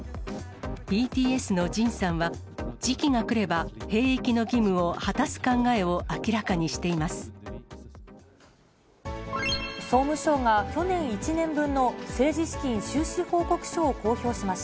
ＢＴＳのＪＩＮさんは、時期が来れば、兵役の義務を果たす考えを明らかにしています。